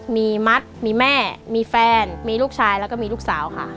มีมัดมีแม่มีแฟนมีลูกชายแล้วก็มีลูกสาวค่ะ